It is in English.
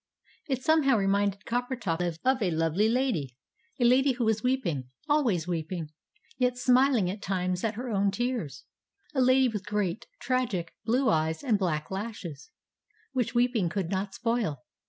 It somehow reminded Coppertop of a lovely lady, a lady who was weeping, always weeping, yet smiling at times at her own tears; a lady with great, tragic, blue eyes and black lashes, which weeping could not spoil.